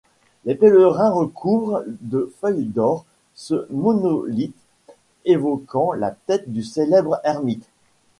Les pèlerins recouvrent de feuilles d'or ce monolithe évoquant la tête du célèbre ermite.